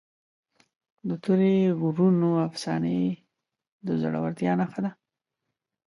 د تورې غرونو افسانې د زړورتیا نښه ده.